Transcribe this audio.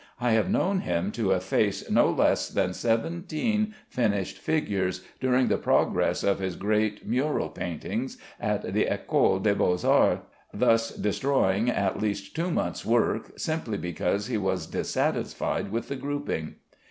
I have known him to efface no less than seventeen finished figures during the progress of his great mural painting at the Ecole des Beaux Arts; thus destroying at least two months' work, simply because he was dissatisfied with the grouping.